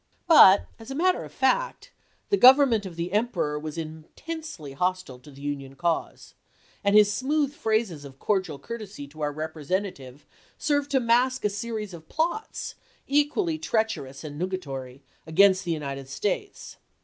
But as a matter of fact, the Government of the Emperor was intensely hostile to the Union cause, and his smooth phrases of cordial courtesy to our repre sentative served to mask a series of plots, equally treacherous and nugatory, against the United States.